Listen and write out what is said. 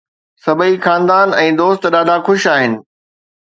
سڀئي خاندان ۽ دوست ڏاڍا خوش آهن